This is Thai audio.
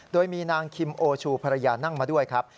โดยมีนางคิมโอชูภรรยานั่งมาด้วยครับ